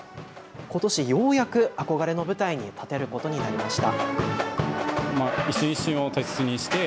ことしようやく憧れの舞台に立てることになりました。